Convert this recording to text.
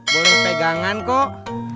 boleh pegangan kok